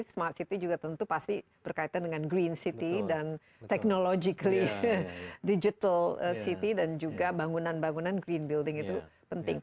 smart city juga tentu pasti berkaitan dengan green city dan technologically digital city dan juga bangunan bangunan green building itu penting